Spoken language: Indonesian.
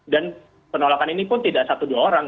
dan penolakan ini pun tidak satu dua orang